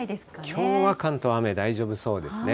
きょうは関東、雨大丈夫そうですね。